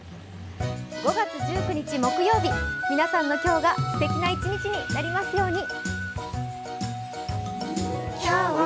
５月１９日、皆さんの今日がすてきな一日になりますように。